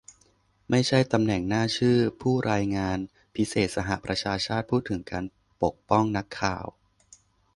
ไม่ใช่ตำแหน่งหน้าชื่อ ผู้รายงานพิเศษสหประชาชาติพูดถึงการปกป้องนักข่าว